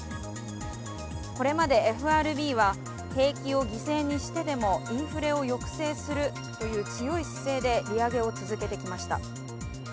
これまでＦＲＢは、景気を犠牲にしてでもインフレを抑制するという強い姿勢で利上げを続けてきました。